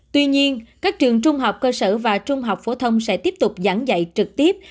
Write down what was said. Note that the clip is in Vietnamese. tuy nhiên các trường trung học cơ sở và trung học phổ thông sẽ tiếp tục giảng dạy trực tiếp